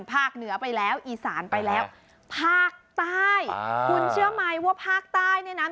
เหนือไปแล้วอีสานไปแล้วภาคใต้อ่าคุณเชื่อไหมว่าภาคใต้เนี่ยนะ